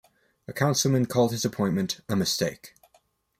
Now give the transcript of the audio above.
A councilman called his appointment "a mistake".